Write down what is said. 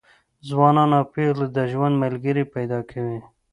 ځوانان او پېغلې د ژوند ملګري پیدا کوي.